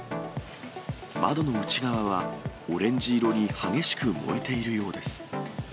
窓の内側はオレンジ色に激しく燃えているようです。